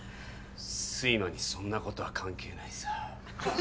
睡魔にそんなことは関係ないさ。